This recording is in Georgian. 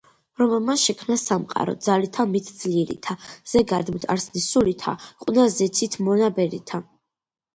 რომელმან შექმნა სამყარო ძალითა მითძლიერითა, ზეგარდმოთ არსნი სულითა ყვნა ზეცითმონაბერითა